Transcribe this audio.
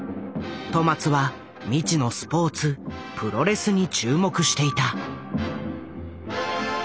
戸松は未知のスポーツプロレスに注目していた。